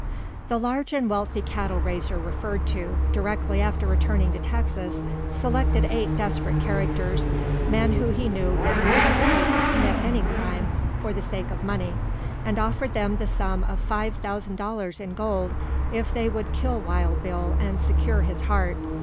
The large and wealthy cattle raiser referred to, directly after returning to Texas, selected eight desperate characters men who he knew would not hesitate to commit any crime for the sake of money and offered them the sum of five thousand dollars in gold if they would kill Wild Bill and secure his heart.